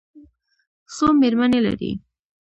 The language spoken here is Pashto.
څو مېرمنې لري؟